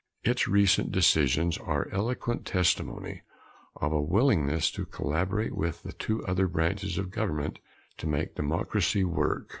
Its recent decisions are eloquent testimony of a willingness to collaborate with the two other branches of government to make democracy work.